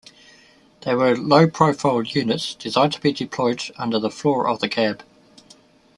They were low-profile units designed to be deployed under the floor of the cab.